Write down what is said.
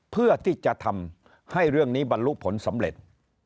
เพื่อที่จะทำให้เรื่องนี้บรรลุผลสำเร็จ